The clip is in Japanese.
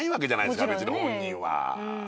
別に本人は。